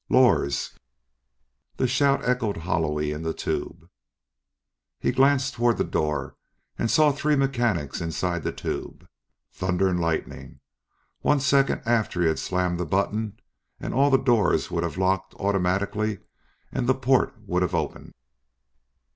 "Lors!" The shout echoed hollowly in the tube. He glanced toward the door and saw three mechanics inside the tube. Thunder and lightning! One second after he had slammed the button and all the doors would have locked automatically and the port would have opened.